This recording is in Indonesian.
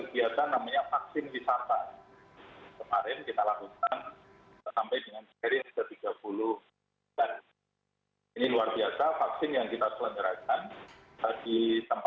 kita mengawalkan karena tidak ada pengawannya